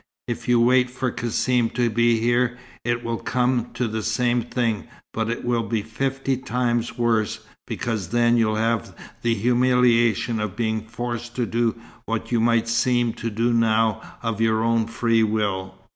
If you wait for Cassim to be here, it will come to the same thing, but it will be fifty times worse, because then you'll have the humiliation of being forced to do what you might seem to do now of your own free will."